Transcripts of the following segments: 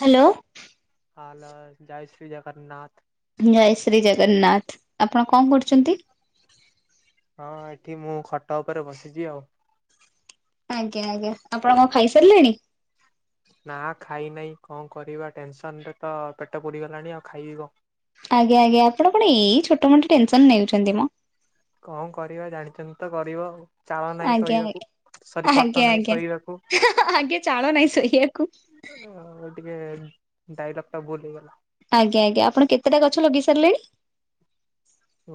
Hello, hello, ଜୟ ଶ୍ରୀ ଜଗନ୍ନାଥ। ଜୟ ଶ୍ରୀ ଜଗନ୍ନାଥ, ଆପଣ କଣ କରୁଛନ୍ତି? ହଁ ଏଠି ମୁଁ ଖଟ ଉପରେ ବସିଛି ଆଉ। ଆଜ୍ଞା ଆଜ୍ଞା, ଆପଣ କଣ ଖାଇସାରିଲେଣି? ନା ଖାଇନେଇ କଣ କରିବା ଟେନସନ୍‌ ରେ ତ ପେଟ ପୋଡିଗଲାଣି ଆଉ ଖାଇବି କଣ। ଆଜ୍ଞା ଆଜ୍ଞା, ଆପଣ କଣ ଏଇ ଛୋଟ ମୋଟ ଟେନସନ ନେଉଛନ୍ତି ମ। କଣ କରିବା ଜାଣିଛନ୍ତି ତ ଗରିବ। ଚାଳ ନାହିଁ ଆଜ୍ଞା ଶୋଇବାକୁ। ସରି ଆଜ୍ଞା ଖଟ ଆଜ୍ଞା ନାହିଁ ଶୋଇବାକୁ ଆଜ୍ଞା ଆଜ୍ଞା ଚାଳ ନାଇଁ ଶୋଇଆକୁ। ଆଉ ଟିକେ ଡାଇଲକ୍‌ ଟା ଭୁଲ୍ ହେଇଗଲା। ଆଜ୍ଞା ଆଜ୍ଞା ଆପଣ କେତେଟା ଗଛ ଲଗେଇସାରିଲେଣି।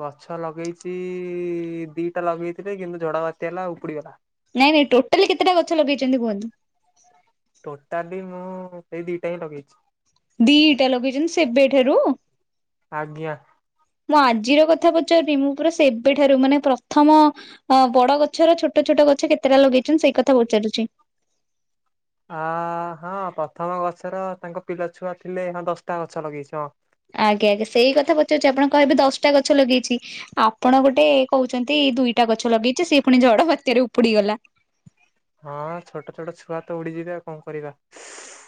ଗଛ ଲଗେଇଚି ଦିଟା ଲଗେଇଥିଲି କିନ୍ତୁ ଝଡବାତ୍ୟା ହେଲା ଉପୁଡିଗଲା। ନାଇଁ ନାଇଁ ଟୋଟାଲି କେତେଟା ଗଛ ଲଗେଇଛନ୍ତି କୁହନ୍ତୁ। ଟୋଟାଲି ମୁଁ ସେଇ ଦିଟା ହିଁ ଲଗେଇଛି। ଦିଟା ଲଗେଇଚନ୍ତି ସେବେଠାରୁ। ଆଜ୍ଞା। ମୁଁ ଆଜିର କଥା ପଚାରୁନି ମୁଁ ପୁରା ସେବେଠାରୁ ମାନେ ପ୍ରଥମ। ହଁ ବଡ ଗଛର ଛୋଟ ଛୋଟ ଗଛ କେତେଟା ଲଗେଇଛନ୍ତି ସେଇ କଥା ପଚାରୁଛି। ଆ ହଁ ପ୍ରଥମ ଗଛର ତାଙ୍କ ପିଲା ଛୁଆ ଥିଲେ ହଁ ଦଶ୍ ଟା ଗଛ ଲଗେଇଛି ହଁ। ଆଜ୍ଞା ଆଜ୍ଞା ସେଇ କଥା ପଚାରୁଛି ଆପଣ କହିବେ ଦଶ ଟା ଗଛ ଲଗେଇଛି। ଆପଣ ଗୋଟେ କହୁଛନ୍ତି ଦୁଇଟା ଗଛ ଲଗେଇଚ ସେ ଫୁଣି ଜଡ ବାତ୍ୟାରେ ଉପୁଡିଗଲା ହଁ ଛୋଟ ଛୋଟ ଛୁଆ ତ ଉଡିଯିବେ ଆଉ କଁ କରିବା।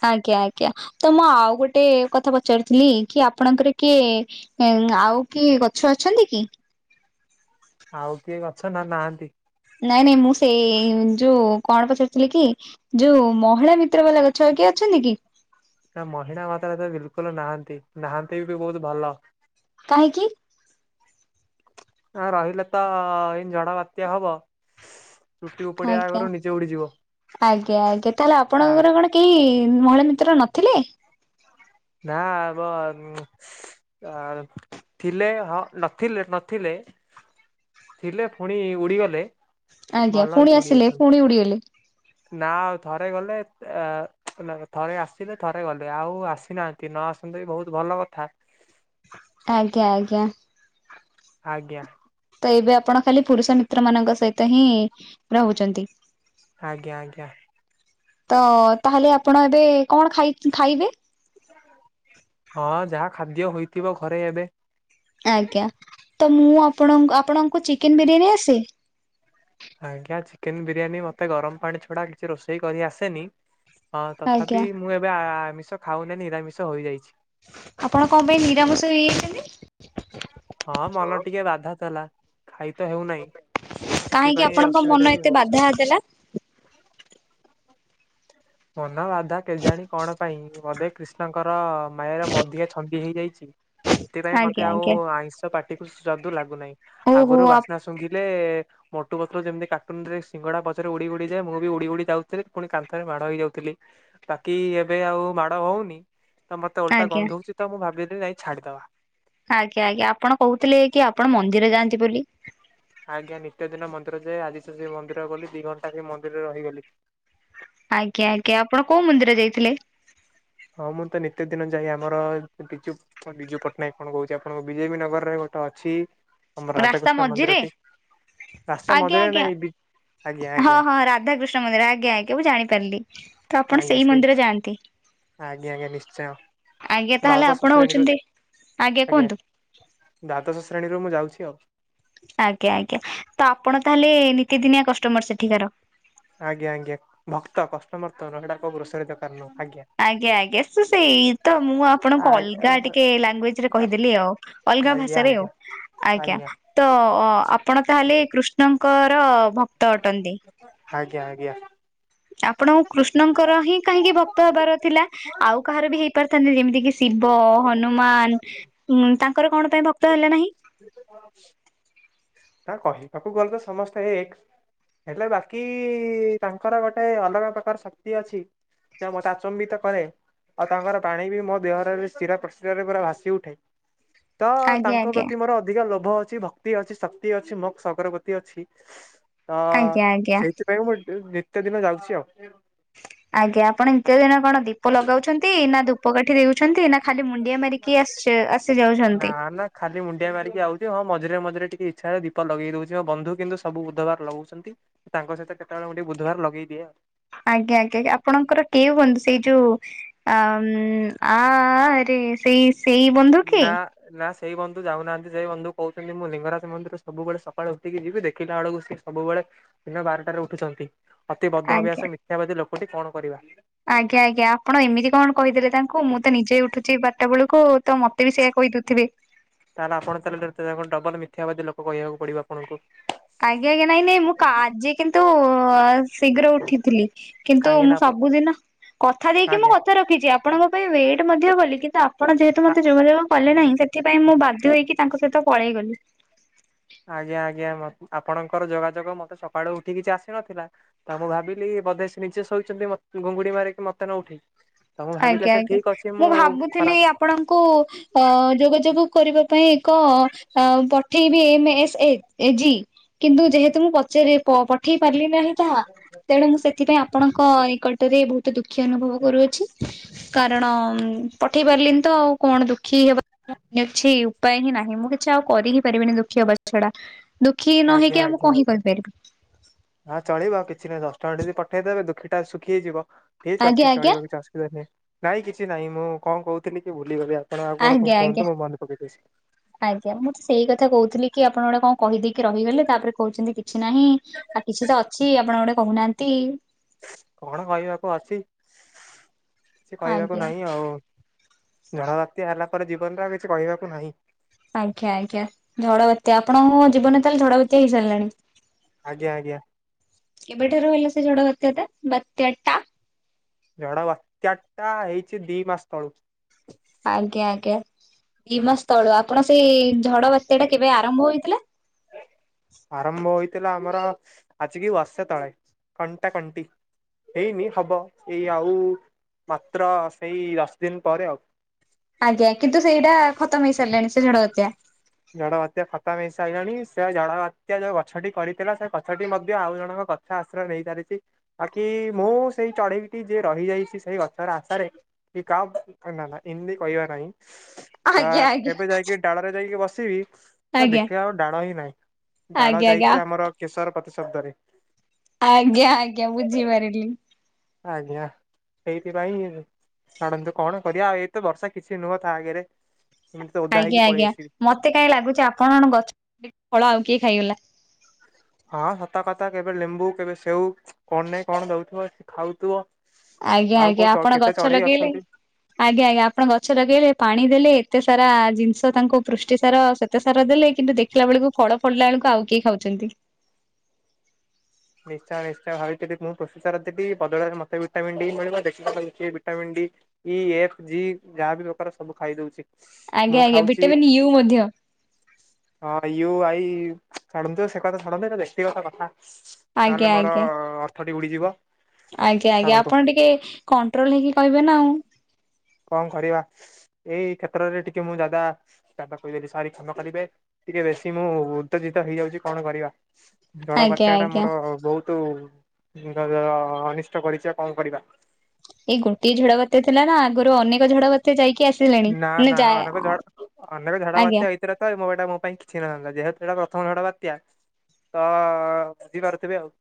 ଆଜ୍ଞା ଆଜ୍ଞା ତ ମୁଁ ଆଉ ଗୋଟେ କଥା ପଚାରୁିଥିଲି କି ଆପଣଙ୍କର କିଏ। ନାଇଁ ଆଉ କି ଆଉ କିଏ ଗଛ ଅଛନ୍ତି କି? ଆଉ କିଏ ଗଛ ନା ନାହାନ୍ତି। ନାଇଁ ନାଇଁ ମୁଁ ସେଇ ଯୋଉ କଣ ପଚାରୁଥିଲି କି। ଯୋଉ ମହିଳା ମିତ୍ର ବାଲା ଗଛ ଆଉ କିଏ ଅଛନ୍ତି କି? ନା ମହିଳା ମାତା ଫାତା ବିଲକୁଲ ନାହାନ୍ତି ନାହାନ୍ତି ବି ବହୁତ ଭଲ। କାହିଁକି? ଆଁ ରହିଲେ ତ ଇନ୍ତି ଝଡ ବାତ୍ୟା ହବ। ଚୁଟି ଉପୁଡିବା ଆଜ୍ଞା ଆଗରୁ ନିଜେ ଉଡିଯିବ। ଆଜ୍ଞା ଆଜ୍ଞା ତାହେଲେ ଆ ଆପଣଙ୍କର କଣ? କେହି ମହିଳା ମିତ୍ର ନଥିଲେ। ନା ବ ଉଁ। ଆ ଥିଲେ ହଁ ନଥିଲେ ନଥିଲେ। ଥିଲେ ଫୁଣି ଉଡ଼ିଗଲେ। ଆଜ୍ଞା ଫୁଣି ଆସିଲେ ଫୁଣି ଉଡିଗଲେ। ନା ଆଉ ଥରେ ଗଲେ ଆ ନା ନା ଥରେ ଆସିଲେ ଥରେ ଗଲେ ଆଉ ଆସି। ଆସି ନାହାଁନ୍ତି ନ ଆସନ୍ତେ କି ବହୁତ୍ ଭଲ କଥା। ଆଜ୍ଞା ଆଜ୍ଞା। ଆଜ୍ଞା। ତ ଏବେ ଆପଣ ଖାଲି ପୁରୁଷ ମିତ୍ର ମାନଙ୍କ ସହିତ ହିଁ ରହୁଛନ୍ତି। ଆଜ୍ଞା ଆଜ୍ଞା। ତ ତାହେଲେ ଆପଣ ଏବେ କଣ ଖାଇ ଖାଇବେ? ହଁ ଯାହା ଖାଦ୍ୟ ହୋଇଥିବ ଘରେ ଏବେ। ଆଜ୍ଞା ତ ମୁଁ ଆପଣଙ୍କ ଆପଣଙ୍କୁ ଚିକେନ ବିରିୟାନୀ ଆସେ? ଆଜ୍ଞା ଚିକେନ ବିରିୟାନୀ ମୋତେ ଗରମ ପାଣି ଛଡ଼ା କିଛି ରୋଷେଇ କରି ଆସେନି। ହଁ ତଥାପି ଆଜ୍ଞା ମୁଁ ଏବେ ଆ ଆମିଷ ଖାଉନି ନିରାମିଷ ହୋଇଯାଇଛି‌। ଆପଣ କଣ ପାଇଁ ନିରାମିଶ ହୋଇଯାଇଛନ୍ତି? ହଁ ମନ ଟିକେ ବାଧା ଥେଲା। ଖାଇ ତ ହେଉନାହିଁ ତ କାହିଁକି ସେଥିପାଇଁ ଏ ଆପଣଙ୍କ ମନ ଅସୁବିଧା ଟି ଏତେ ହଉଛି ଆଉ। ବାଧା [inaudible] ମନ ବାଧା କେଜାଣୀ କଣ ପାଇଁ ବଧେ କ୍ରିଷ୍ଣଙ୍କର ମାୟାର ମଧିଏ ଛନ୍ଦି ହେଇଯାଇଛି। ସେଥିପାଇଁ ମତେ ଆଜ୍ଞା ଆଉ ଆଜ୍ଞା ଆଇଁଷ ପାଟିକୁ ସ୍ୱାଦୁ ଲାଗୁନାହିଁ ଓହୋ ଆଗରୁ ବାସ୍ନା ଆଜ୍ଞା। ସୁଙ୍ଘିଲେ ମୋଟୁ ପତଲୁ ଯେମିତି କାଟୁନରେ ସିଙ୍ଗଡ଼ା ପଛରେ ଉଡି ଉଡିଯାଏ ମୁଁ ବି ଉଡି ଉଡି ଯାଉଥିଲି ପୁଣି କାନ୍ଥରେ ମାଡ଼ ହେଇଯାଉଥିଲି। ବାକି ଏବେ ଆଉ ମାଡ ହଉନି ତ ମତେ ଓଲଟା ଗନ୍ଧଉଛି ତ ମୁଁ ଭାବିଲି ନାଇଁ ଛାଡିଦବା। ଆଜ୍ଞା ଆଜ୍ଞା ଆପଣ କହୁଥିଲେ କି ଆପଣ ମନ୍ଦିର ଯାଆନ୍ତି ବୋଲି। ଆଜ୍ଞା ନିତ୍ୟ ଦିନ ମନ୍ଦିର ଯାଏ ଆଜି ସେ ସେ ମନ୍ଦିର ଗଲି ଦି ଘଣ୍ଟା ସେ ମନ୍ଦିରରେ ରହିଗଲି। ଆଜ୍ଞା ଆଜ୍ଞା ଆପଣ କୋଉ ମନ୍ଦିର ଯାଇଥିଲେ? ହଁ ମୁଁ ତ ନିିତି ଦିନ ଯାଏ ଆମର ବିଜୁ ତ ବିଜୁ ପଟ୍ଟନାୟକ କଣ କହୁଛି ଆପଣଙ୍କ ବି ଜେ ପି ନଗରରେ ଗୋଟେ ଅଛି ଆମ ରାସ୍ତା ରାଧାକୃଷ୍ଣ ମଝିରେ ମନ୍ଦିରଟି। ରାସ୍ତା ଆଜ୍ଞା ମଝିରେ ଆଜ୍ଞା ନାଇଁ ବି ଆଜ୍ଞା ହଁ ଆଜ୍ଞା। ହଁ [unintelligible] ମନ୍ଦିର ଆଜ୍ଞା ଆଜ୍ଞା ମୁଁ ଜାଣିପାରିଲି ତ ଆପଣ ସେଇ ମନ୍ଦିର ଯାଆନ୍ତି। ଆଜ୍ଞା ଆଜ୍ଞା ନିଶ୍ଚୟ ଆଜ୍ଞା ତାହେଲେ ଆପଣ ଦ୍ୱାଦଶ ଶ୍ରେଣୀରୁ ହଉଛନ୍ତି ଆଜ୍ଞା କୁହନ୍ତୁ। ଦ୍ବାଦଶ ଶ୍ରେଣୀରୁ ମୁଁ ଯାଉଛି ଆଉ। ଆଜ୍ଞା ଆଜ୍ଞା ତ ଆପଣ ତାହେଲେ ନିତିଦିନିଆ କଷ୍ଟମର ସେଠିକାର? ଆଜ୍ଞା ଆଜ୍ଞା ଭକ୍ତ କଷ୍ଟମର ତ ନୁହଁ ସେଇଟା କୋଉ ଗ୍ରୋସରୀ ଦୋକାନ ନୁହଁ, ଆଜ୍ଞା। ଆଜ୍ଞା ଆଜ୍ଞା ସେ ସେଇ ତ ମୁଁ ଆ ଆପଣଙ୍କୁ ଅଲଗା ଟିକେ ଲାଙ୍ଗୁଏଜ ରେ କହିଦେଲି ଆଉ। ଅଲଗା ଆଜ୍ଞା ଭାଷାରେ ଆଉ ଆଜ୍ଞା ଆଜ୍ଞା। ତ ଅ ଆପଣ ତାହେଲେ କୃଷ୍ଣଙ୍କର ଭକ୍ତ ଅଟନ୍ତି। ଆଜ୍ଞା ଆଜ୍ଞା। ଆପଣଙ୍କୁ କୃଷ୍ଣଙ୍କର ହିଁ କାହିଁକି ଭକ୍ତ ହବାର ଥିଲା? ଆଉ କାହାର ବି ହେଇ ପାରିଥାନ୍ତେ ଯେମିତି କି ଶିବ, ହନୁମାନ ହୁଁ ତାଙ୍କର କଣ ପାଇଁ ଭକ୍ତ ହେଲେ ନାହିଁ? ତା କହିବାକୁ ଗଲେ ତ ସମସ୍ତେ ଏକ୍। ହେଲେ ବାକି ତାଙ୍କର ଗୋଟେ ଅଲଗା ପ୍ରକାର ଶକ୍ତି ଅଛି। ସେ ମତେ ଆଚମ୍ବିତ କରେ। ଆଉ, ତାଙ୍କର ପାଣି ବି ମୋ ଦେହରରେ ଶିରା ପ୍ରଶିରାରେ ପୁରା ଭାସିଉଠେ। ତ ଆଜ୍ଞା ତାଙ୍କ ଆଜ୍ଞା ପ୍ରତି ମୋର ଅଧିକା ଲୋଭ ଅଛି, ଭ କ୍ତି ଅଛି, ଶକ୍ତି ଅଛି, ମୋକ୍ସ ଅଗରବତୀ ଅଛି। ତ, ଆଜ୍ଞା ଆଜ୍ଞା। ସେଇଥି ପାଇଁ ତାଙ୍କ ପାଖକୁ [unintelligible] ନିତ୍ୟ ଦିନ ଯାଉଛି ଆଉ। ଆଜ୍ଞା ଆପଣ ନିତ୍ୟ ଦିନ କଣ ଦୀପ ଲଗାଉଛନ୍ତି, ନା ଧୂପ କାଠି ଦେଉଛନ୍ତି, ନା ଖାଲି ମୁଣ୍ଡିଆ ମାରିକି ଆସି ଆସି ଯାଉଛନ୍ତି। ନା ନା ଖାଲି ମୁଣ୍ଡିଆ ମାରିକି ଆଉଚି ହଁ ମଝିରେ ମଝିରେ ଟିକେ ଇଚ୍ଛା ହେଲେ ଦୀପ ଲଗେଇ ଦଉଚି, ଆଉ ବନ୍ଧୁ କିନ୍ତୁ ସବୁ ବୁଧବାର ଲଗଉଛନ୍ତି। ତାଙ୍କ ସହିତ କେତେବେଳେ ମୁଁ ଟିକେ ବୁଧବାର ଲଗେଇଦିଏ। ଆଜ୍ଞା ଆଜ୍ଞା ଆପଣଙ୍କର କେଉ ବନ୍ଧୁ ସେଇ ଯୋଉ ଆମ୍ ଆଆରେ ସେଇ ସେଇ ବନ୍ଧୁ। କି ନା। ନା, ସେଇ ବନ୍ଧୁ ଯାଉନାହାନ୍ତି, ସେଇ ବନ୍ଧୁ କହୁଛନ୍ତି, ମୁଁ ଲିଙ୍ଗରାଜ ମନ୍ଦିର ସବୁବେଳେ ସକାଳୁ ଉଠିକି ଯିବି। ଦେଖିଲା ବେଳକୁ ସେ ସବୁବେଳେ ଦିନ ବାରଟାରେ ଉଠୁଛନ୍ତି, ଅତି ବଦ୍ଧ ଆଜ୍ଞା ଅଭ୍ୟାସ ମିଥ୍ୟାବାଦୀ ଲୋକଟି କଣ କରିବା? ଆଜ୍ଞା, ଆଜ୍ଞା। ଆପଣ ଏମିତି କଣ କହିଦେଲେ ତାଙ୍କୁ ମୁଁ ତ ନିଜେ ଉଠୁଛି ବାରଟା ବେଳକୁ, ତ ମତେ ବି ସେଇୟା କହିଦଉଥିବେ। ତାହେଲେ, ଆପଣ ତାହେଲେ [unintelligible] ଡବଲ ମିଥ୍ୟାବାଦୀ ଲୋକ କହିଆକୁ ପଡିବ ଆପଣଙ୍କୁ। ଆଜ୍ଞା, ଆଜ୍ଞା ନାଇଁ ନାଇଁ, ମୁଁ କା ଆଜି କିନ୍ତୁ ଶୀଘ୍ର ଉଠିଥିଲି। କିନ୍ତୁ କାହିଁକି ନା ମୁଁ ଆପ ସବୁଦିନ କଥା ଦେଇକି ମୁଁ ଆଜ୍ଞା କଥା ର ଖିଚି ଆପଣଙ୍କ ପାଇଁ ୱେଟ ମଧ୍ୟ କଲି, କିନ୍ତୁ ଆପଣ ଯେହେତୁ ମତେ ଯୋଗାଯୋଗ କଲେ ନାହିଁ, ସେଥିପାଇଁ ମୁଁ ବାଧ୍ୟ ହୋଇ କି ତାଙ୍କ ସହିତ ପଳେଇ ଗଲି। ଆଜ୍ଞା, ଆଜ୍ଞା। ଆପଣଙ୍କର ଯୋଗାଯୋଗ ମତେ ସକାଳୁ ଉଠିକି କିଛି ଆସିନଥିଲା। ତ ମୁଁ ଭାବିଲି, ବୋଧେ ନିଜେ ଶୋଇଛନ୍ତି ମ ଘୁଙ୍ଗୁଡି ମାରିକି ମତେ ନ ଉଠେଇ। ତ ମୁଁ ଭାବିଲି ଆଜ୍ଞା ଆଚ୍ଛା ଆଜ୍ଞା ଠିକ ଅଛି, ମୁଁ ଭାବୁଥିଲି ଖରାପ। ଆପଣଙ୍କୁ ଅ ଯୋଗାଯୋଗ କରିବା ପାଇଁ ଏକ ପଠେଇ ବି ଏମ୍ ଏସ୍ ଏ ଏଜି କିନ୍ତୁ ଯେହେତୁ ମୁଁ ପଚାରିଆ ପ ପଠେଇ ପାରଲି ନାହିଁ ତାହା, ତେଣୁ ମୁଁ ସେଥିପାଇଁ ଆପଣଙ୍କ ନିକଟରେ ବହୁତ ଦୁଃଖୀ ଅନୁଭବ କରୁଅଛି। କାରଣ ପଠେଇ ପାରିଲିନି ତ ଆଉ କଣ ଦୁଃଖୀ ହେବା [unintelligible] କିଛି ଉପାୟ ହିଁ ନାହିଁ। ମୁଁ କିଛି ଆଉ କରି ହିଁ ପାରିବିନି ଦୁଃଖୀ ହେବା ଛଡା। ଦୁଃଖୀ ନ ହେଇକି ଆଜ୍ଞା, ଆଉ ମୁଁ କଣ ଆଜ୍ଞା। ହିଁ କରିପାରିବି ହଁ ଚଳିବ। କିଛି ନାଇଁ ଦଶଟଙ୍କା ଯଦି ପଠେଇଦେବେ ଦୁଃଖୀଟା ସୁଖୀ ହେଇଯିବ। ଠିକ୍ ଆଜ୍ଞା ଅଛି ଆଜ୍ଞା ଚଳିବ କିଛି ଅସୁବିଧା ନାହିଁ। ନାଇଁ କିଛି ନାହିଁ ମୁଁ କଣ କହୁଥିଲି କି ଭୁଲିଗଲି ଆଉ ଆପଣ ଆଉ କଣ କୁ ଆଜ୍ଞା ଆଜ୍ଞା। କୁହନ୍ତୁ? ମୁଁ ମନେ ପକେଇ କହୁଛି। ଆଜ୍ଞା, ମୁଁ ତ ସେଇ କଥା କହୁଥିଲି। କି ଆପଣ ଗୋଟେ କଣ କହିଦେଇକି ରହିଗଲେ, ତାପରେ କହୁଛନ୍ତି, କିଛି ନାହିଁ ଆ କିଛି ତ ଅଛି। ଆପଣ ଗୋଟେ କହୁନାହାନ୍ତି। କଣ କହିବାକୁ ଅଛି? କିଛି କହିବାକୁ ଆଜ୍ଞା ନାହିଁ ଆଉ। ଝଡ଼ ବାତ୍ୟା ହେଲା ପରେ ଜୀବନରେ ଆଉ କିଛି କହିବାକୁ ନାହିଁ। ଆଜ୍ଞା ଆଜ୍ଞା। ଝଡ଼ ବାତ୍ୟା ଆପଣଙ୍କ ଜୀବନରେ ତାହେଲେ ଝଡ଼ ବାତ୍ୟା ହେଇସାରିଲାଣି। ଆଜ୍ଞା ଆଜ୍ଞା। କେବେଠାରୁ ହେଲା ସେ ଝଡ଼ ବାତ୍ୟା ଟା ବାତ୍ୟା ଟା? ଝଡ ବାତ୍ୟା ଟା ହେଇଛି ଦି ମାସ ତଳୁ। ଆଜ୍ଞା ଆଜ୍ଞା। ଦି ମାସ ତଳୁ ଆପଣ ସେଇ ଝଡ଼ ବାତ୍ୟା ଟା କେବେ ଆରମ୍ଭ ହେଇଥିଲା? ଆରମ୍ଭ ହୋଇଥିଲା ଆମର ଆଜିକି ବର୍ଷେ ତଳେ କଣ୍ଟାକଣ୍ଟି। ହେଇନି ହବ। ଏଇ ଆଉ ମାତ୍ର ସେଇ ଦଶ ଦିନ ପରେ ଆଉ। ଆଜ୍ଞା କିନ୍ତୁ ସେଇଟା ଖତମ ହେଇ ସାରିଲାଣି ସେ ଝଡ଼ ବାତ୍ୟା। ଝଡ଼ ବାତ୍ୟା ଖତମ ହେଇ ସାଇଲାଣି। ସେ ଆଉ ଝଡ଼ ସିଏ ଯୋଉ ଗଛଟି କରିଥିଲା, ସେ ଗଛଟି ମଧ୍ୟ ଆଉ ଜଣଙ୍କ ଗଛ ଆଶ୍ରୟ ନେଇ ସାରିଛି। ବାକି ମୁଁ ସେଇ ଚଢେଇଟି, ଯିଏ ରହିଯାଇଛି ସେଇ ଗଛର ଆଶାରେ କି କା ନା ନା ହିନ୍ଦୀ କହିବା ନାହିଁ। ଆ ଆଜ୍ଞା ଆଜ୍ଞା କେବେ ଯାଇକି ଡ଼ାଳରେ ଯାଇକି ବସିବି ତ ଆଜ୍ଞା। ଦେଖିଲାବେଳକୁ ଡାଳ ହିଁ ନାହିଁ। ଆଜ୍ଞା ଡାଳ ଆଜ୍ଞା ଯାଇଛି ଆମର କେଶର ପ୍ରତି ଶବ୍ଦରେ। ଆଜ୍ଞା ଆଜ୍ଞା ବୁଝି ପାରିଲି। ଆଜ୍ଞା ସେଇଥି ପାଇଁ ଛାଡ଼ନ୍ତୁ କଣ କରିବା। ଏଇତ ବର୍ଷ କିଛି ନୁହଁ ତା ଆଗରେ। ଏମିତି ତ ଓଦା ଆଜ୍ଞା ହେଇକି ପଳେଇ ଆଜ୍ଞା। ଆସିବି। ମତେ କାହିଁ ଲାଗୁଛି ଆପଣଙ୍କ ଗଛ ଫଳ ଆଉ କିଏ ଖାଇଗଲା। ହଁ, ସତ କଥା। କେବେ ଲେମ୍ବୁ, କେବେ ସେଉ କଣ ନାଇ କଣ ଦଉଥିବ ସେ ଖାଉଥିବ। ଆଜ୍ଞା ଆଉ ଆଜ୍ଞା କୋଉ ଆପଣ କେତେ ଗଛ ଚଢେଇ ଲଗେଇଲେ ଅଛନ୍ତି। ଆଜ୍ଞା ଆଜ୍ଞା। ଆପଣ ଗଛ ଲଗେଇଲେ, ପାଣି ଦେଲେ, ଏତେ ସାରା ଜିନିଷ ତାଙ୍କୁ ପୃଷ୍ଟିସାର ଶ୍ୱେତସାର ଦେଲେ, କିନ୍ତୁ ଦେଖ ଦେଖିଲା ବେଳକୁ ଫଳ ଫଳିଲା ବେଳକୁ, ଆଉ କିଏ ଖାଉଛନ୍ତି। ନିଶ୍ଚୟ ନିଶ୍ଚୟ ଭାବିଥିଲି, ମୁଁ ପ୍ରୋସେସର ଥିଲି ବଦଳରେ ମତେ ଭିଟାମିନ ଡି ମିଳିବ ଦେଖିବାକୁ କିଏ ଭିଟାମନ୍ ଡି ଇ ଏଫ୍ ଯି ଯାହା ବିି ପ୍ରକାର, ସବୁ ଖାଇଦଉଛି। ଆଜ୍ଞା ଆଜ୍ଞା ଭିଟାମିନ୍ ୟୁ ମଧ୍ୟ। ହଁ ୟୁ ଆଇ ଛାଡ଼ନ୍ତୁ ସେ କଥା ଛାଡ଼ନ୍ତୁ ହେ ବ୍ୟକ୍ତିଗତ କଥା। ଆଜ୍ଞା ନହେଲେ ମୋର ଆଜ୍ଞା ଅର୍ଥଟି ଉଡ଼ିଯିବ। ଆଜ୍ଞା ଆଜ୍ଞା ଆପଣ ଟିକେ କଣ୍ଟ୍ରୋଲ ହେଇକି କହିବେ ନା ଆଉ। କଣ କରିବା ଏଇ କ୍ଷେତ୍ରରେ ଟିକେ ମୁଁ ଯାଦା ଯାଦା କହିଦେଲି ସରି କ୍ଷମା କରିବେ। ଟିକେ ବେଶୀ ମୁଁ ଉତ୍ତେଜିତ ହେଇଯାଉଛି କଣ କରିବା। ଝଡ଼ ଆଜ୍ଞା ବାତ୍ୟା ଟା ଆଜ୍ଞା ମୋର ବହୁତ ଯଅ ଅନିଷ୍ଟ କରିଛି ଆଉ କଣ କରିବା। ଏଇ ଗୋଟିଏ ଝଡ ବାତ୍ୟା ଥିଲା ନା ଆଗରୁ ଅନେକ ଝଡ ବାତ୍ୟା ଯାଇକି ଆସି ନା ନା ଅନେକ ଝଡ଼ ଅନେକ ଝଡ଼ ଆଜ୍ଞା ବାତ୍ୟା ଅଇ ହେଇଥିଲେ ତ ଏଇ ମୋ ଏଇଟା ମୋ ପାଇଁ କିଛି ହେଇନଥାନ୍ତା ଯେହେତୁ ଏଇଟା ପ୍ରଥମ ଝଡ଼ ବାତ୍ୟା ତ ବୁଝିପାରୁଥିବେ ଆଉ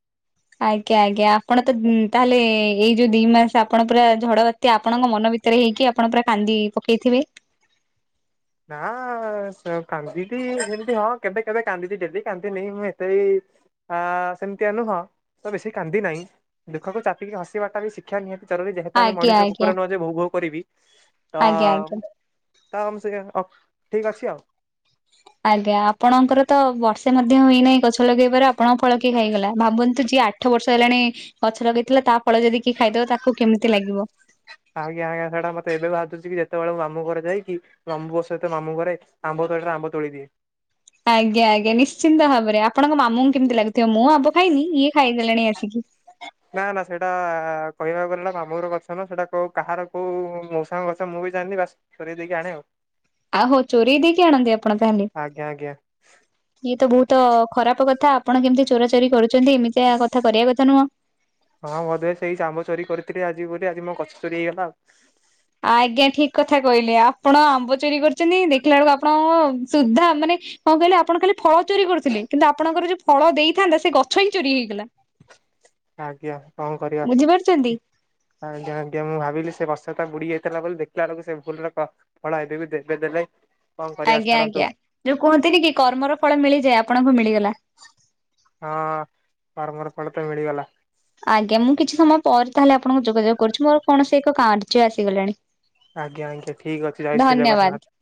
ଆଜ୍ଞା ଆଜ୍ଞା ଆପଣ ତ ତାହେଲେ ଏଇ ଯୋଉ ଦି ମାସ ଆପଣ ପୁରା ଝଡ ବା ତ୍ୟା ଆପଣଙ୍କ ମନ ଭିତରେ ହେଇକି ଆପଣ ପୁରା କାନ୍ଦି ପକେଇଥିବେ? ନା ସ କାନ୍ଦିଚି ହେମିତି ହଁ କେବେ କେବେ କାନ୍ଦିଚି ଡେଲି କାନ୍ଦିନି। ମୁଁ ଏତେ ବି ଆ ସେମିତିଆ ନୁହଁ ତ ବେଶୀ କାନ୍ଦି ନାହିଁ ଦୁଃଖକୁ ଚାପିକି ହସିବାଟା ବି ସି କ୍ଷ୍ୟା ନିହାତି ଜରୁରି ଯେହେତୁ ଆମେ ଆଜ୍ଞା ମଣିଷ ଆଜ୍ଞା କୁକୁର ନୁହଁ ଯେ ଭୋ ଭୋ କରିବି ତ ଆଜ୍ଞା ଆଜ୍ଞା ତ ମୁଁ ସେଇଆ ଅଫ୍ ଠିକ ଅଛି ଆଉ। ଆଜ୍ଞା ଆପଣଙ୍କର ତ ବର୍ଷେ ମଧ୍ୟ ହୋଇନାଇଁ ଗଛ ଲଗେଇବାର ଆପଣ ଫଳ କିଏ ଖାଇଗଲା ଭାବନ୍ତୁ ଯିଏ ଆ ଆଠ ବର୍ଷ ହେଲାଣି ଗଛ ଲଗେଇଥିଲା ତା ଫଳ ଯଦି କିଏ ଖାଇଦେବ ତାକୁ କେମିତି ଲାଗିବ। ଆଜ୍ଞା ଆଜ୍ଞା ସେଟା ମତେ ଏବେ ବାଧୁଛି କି ଯେତେବେଳେ ମୁଁ ମାମୁଁ ଘର ଯାଇକି। ମାମୁଁପୁଅ ସହିତ ମାମୁଁ ଘରେ ଆମ୍ବ ତଳିଟାରେ ଆମ୍ବ ତୋଳି ଦିଏ। ଆଜ୍ଞା ଆଜ୍ଞା ନିଶ୍ଚିନ୍ତ ଭାବରେ ଆପଣଙ୍କ ମାମୁଁଙ୍କୁ କେମିତି ଲାଗୁଥିବ ମୁଁ ଆମ୍ବ ଖାଇନି ଇଏ ଖାଇଦେଲାଣି ଆସିକି। ନା ନା ସେଇଟା କହିବାକୁ ଗଲେନା ମାମୁଁଘର ଗଛ ନା ସେଇଟା କୋଉ କାହାର କୋଉ ମଉସାଙ୍କ ଗଛ ମୁଁ ବି ଜାଣିନି ବାସ। ଚୋରେଇଦେଇକି ଆଣେ ଆଉ। ଆହୋ ଚୋରେଇ ଦେଇକି ଆଣନ୍ତି ଆପଣ ତାହେଲେ? ଆଜ୍ଞା ଆଜ୍ଞା। ଇଏ ତ ବହୁତ ଖରାପ କଥା ଆପଣ କେମିତି ଚୋରା ଚୋରି କରୁଛନ୍ତି ଏମିତିଆ କଥା କରିବା କଥା ନୁହଁ। ହଁ ବୋଧେ ସେଇ ଆମ୍ବ ଚୋରି କରିଥିଲି ଆଜି ବୋଲି ଆଜି ମୋ ଗଛ ଚୋରି ହେଇଗଲା ଆଉ। ଆଜ୍ଞା ଠିକ କଥା କହିଲେ ଆପଣ ଆମ୍ବ ଚୋରି କରୁଚନ୍ତି ଦେଖିଲା ବେଳକୁ ଆପଣ ସୁଦ୍ଧା ମାନେ। କଣ କହିଲେ ଆପଣ କାଲି? ଫଳ ଚୋରି କରୁଥିଲେ କିନ୍ତୁ ଆପଣଙ୍କର ଯୋଉ ଫଳ ଦେଇଥାନ୍ତା ସେ ଗଛ ହିଁ ଚୋରି ହେଇଗଲା। ଆଜ୍ଞା କଣ କରିବା। ବୁଝିପାରୁଛନ୍ତି ଆଜ୍ଞା ଆଜ୍ଞା ମୁଁ ଭାବିଲି ସେ ବର୍ଷ ତ ବୁଡି ଯାଇଥିଲା ବୋଲି ଦେଖିଲା ବେଳକୁ ସେ ଭୁଲରେ ଫଳ ଏବେବି ଦେବେ ଦେବେ। ଆଜ୍ଞା ଆଜ୍ଞା ଯୋଉ କୁହନ୍ତିନିକି କର୍ମର ଫଳ ମିଳିଯାଏ ଆପଣଙ୍କୁ ମିଳିଗଲା। ହଁ କର୍ମର ଫଳ ତ ମିଳିଗଲା। ଆଜ୍ଞା ମୁଁ କିଛି ସମୟ ପରେ ତାହେଲେ ଆପଣଙ୍କୁ ଯୋଗାଯୋଗ କରୁଛି ମୋର କୌଣସି ଏକ କାର୍ଯ୍ୟ ଆସିଗଲାଣି। ଆଜ୍ଞା ଆଜ୍ଞା ଠିକ ଅଛି ଜୟ ଶ୍ରୀ ଧନ୍ୟବାଦ। ଜଗନ୍ନାଥ।